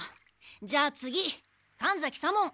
じゃあ次神崎左門。